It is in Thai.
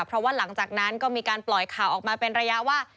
เพราะว่าหลังจากนั้นก็มีการปล่อยข่าวออกมาเป็นระยะว่า